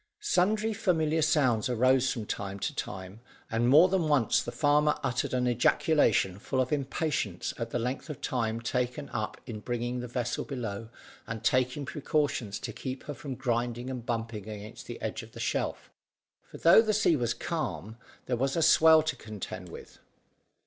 Sundry familiar sounds arose from time to time, and more than once the farmer uttered an ejaculation full of impatience at the length of time taken up in bringing the vessel below and taking precautions to keep her from grinding and bumping against the edge of the shelf, for though the sea was calm, there was the swell to contend with.